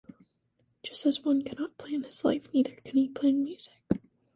Just as one cannot plan his life, neither can he plan music.